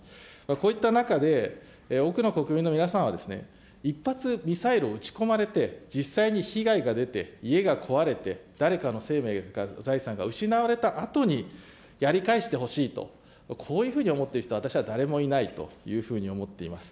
こういった中で多くの国民の皆さんは一発ミサイルを撃ち込まれて、実際に被害が出て、家が壊れて、誰かの生命や財産が失われたあとに、やり返してほしいと、こういうふうに思っている人は、私は誰もいないというふうに思っています。